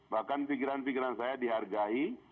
bahkan pikiran pikiran saya dihargai